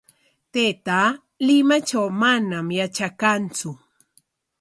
Taytaa Limatraw manam yatrakantsu.